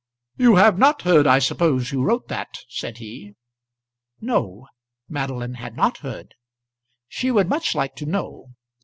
"You have not heard, I suppose, who wrote that?" said he. No; Madeline had not heard. She would much like to know.